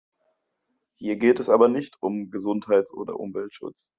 Hier geht es aber nicht um Gesundheit oder Umweltschutz.